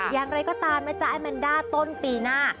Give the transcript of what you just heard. อย่างไรก็ตามนะจ๊ะไอ้แมนด้าต้นปีหน้า